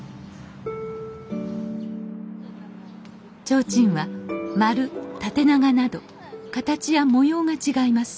提灯は丸縦長など形や模様が違います。